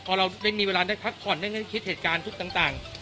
พอเราได้มีเวลาได้พักผ่อนได้คิดเหตุการณ์ทุกต่าง